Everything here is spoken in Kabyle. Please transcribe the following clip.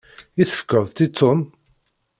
I tefkeḍ-tt i Tom?